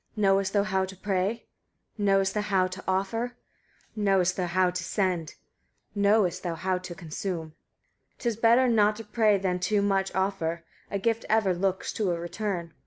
knowest thou how to pray? knowest thou how to offer? knowest thou how to send? knowest thou how to consume? 147. 'Tis better not to pray than too much offer; a gift ever looks to a return.